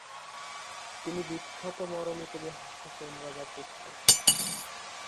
তিনি বিখ্যাত মরমী কবি হাছন রাজার পুত্র।